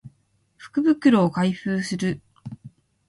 福袋を開封する